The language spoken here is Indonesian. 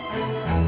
aku mau jalan